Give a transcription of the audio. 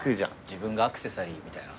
自分がアクセサリーみたいな？